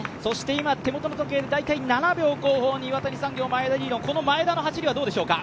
今、手元の時計で大体７秒後方に岩谷産業の前田梨乃、この前田の走りはどうでしょうか？